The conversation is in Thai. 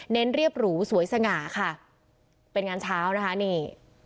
เรียบหรูสวยสง่าค่ะเป็นงานเช้านะคะนี่